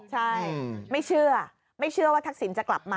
ใช่ไม่เชื่อไม่เชื่อว่าทักษิณจะกลับมา